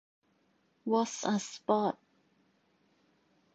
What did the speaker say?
What's a sport?